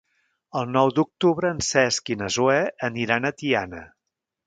El nou d'octubre en Cesc i na Zoè aniran a Tiana.